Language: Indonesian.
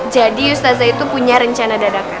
jadi ustazah itu punya rencana dadakan